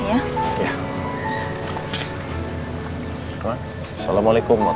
aku pasti akan berpikir pikir